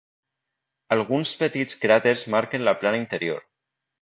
Alguns petits cràters marquen la plana interior.